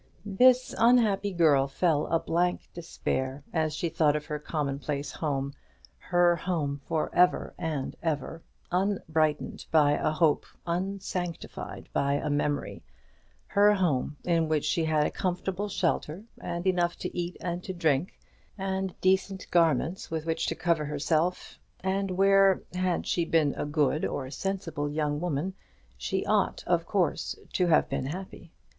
This unhappy girl felt a blank despair as she thought of her commonplace home, her home for ever and ever, unbrightened by a hope, unsanctified by a memory; her home, in which she had a comfortable shelter, and enough to eat and to drink, and decent garments with which to cover herself; and where, had she been a good or a sensible young woman, she ought of course to have been happy.